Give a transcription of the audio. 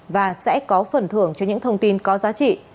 và sẽ có phần thưởng cho những thông tin có giá trị